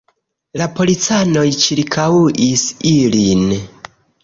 La policanoj ĉirkaŭis ilin.